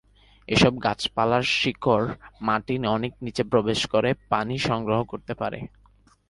এসব গাছপালার শিকড় মাটির অনেক নিচে প্রবেশ করে পানি সংগ্রহ করতে পারে।